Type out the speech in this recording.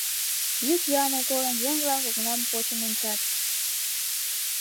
Йӱк-йӱаным колын, еҥ-влак окнам почын ончат.